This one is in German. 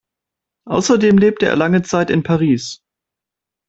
Außerdem lebte er lange Zeit in Paris.